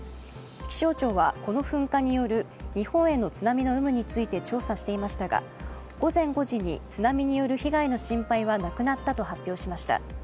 気象庁はこの噴火による日本への津波の有無について調査していましたが、午前５時に津波による被害の心配はなくなったと発表しました。